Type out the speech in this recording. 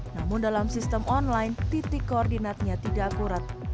namun dalam sistem online titik koordinatnya tidak akurat